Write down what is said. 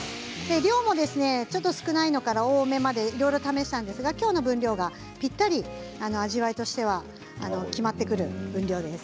量も、少ないのから多めまで試したんですがきょうの分量がぴったり味わいとしては決まってくる分量です。